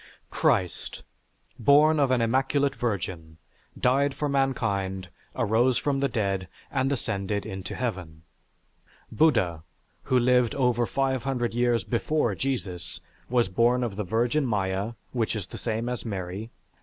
Christ, born of an immaculate virgin, died for mankind, arose from the dead, and ascended into Heaven. Buddha, who lived over 500 years before Jesus, was born of the Virgin Maya, which is the same as Mary.